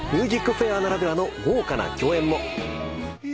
『ＭＵＳＩＣＦＡＩＲ』ならではの豪華な共演も。